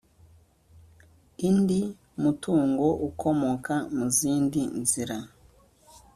indi mutungo ukomoka mu zindi nzira